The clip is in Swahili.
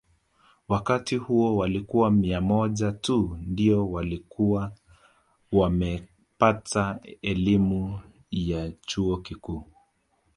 Wakati huo walikuwa mia moja tu ndio walikuwa wamepata elimu ya chuo kikuu